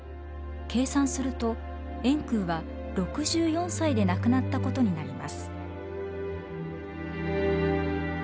計算すると円空は６４歳で亡くなったことになります。